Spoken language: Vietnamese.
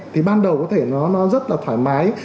thì ban đầu có thể nó rất là thoải mái